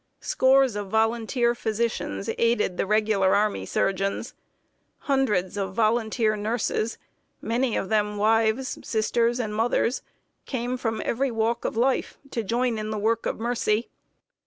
Scores of volunteer physicians aided the regular army surgeons. Hundreds of volunteer nurses, many of them wives, sisters, and mothers, came from every walk of life to join in the work of mercy.